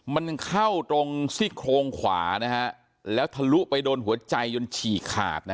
มันเข้าตรงซี่โครงขวานะฮะแล้วทะลุไปโดนหัวใจจนฉี่ขาดนะฮะ